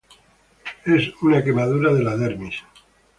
Es una quemadura de la dermis.